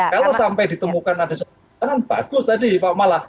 kalau sampai ditemukan ada perencanaan bagus tadi pak mala